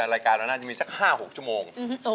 เรารายการเราน่าจะมี๕๖ชั่วโมง